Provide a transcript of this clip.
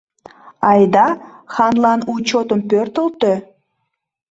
Айда ханлан ӱчетым пӧртылтӧ.